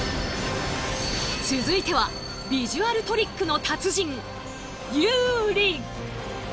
続いてはビジュアルトリックの達人ＹＯＵＲＩ！